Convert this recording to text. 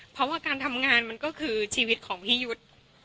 เพราะว่าการทำงานมันก็คือชีวิตของพี่ยุทธ์